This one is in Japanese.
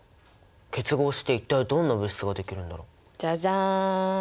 結合して一体どんな物質ができるんだろう？じゃじゃん！